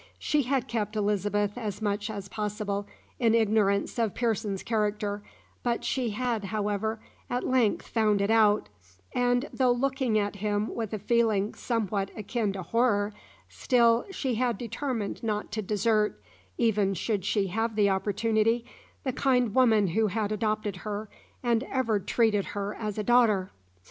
She had kept Elizabeth as much as possible in ignorance of Pearson's character, but she had, however, at length found it out; and though looking at him with a feeling somewhat akin to horror, still she had determined not to desert, even should she have the opportunity, the kind woman who had adopted her and ever treated her as a daughter.